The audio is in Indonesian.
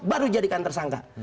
baru dijadikan tersangka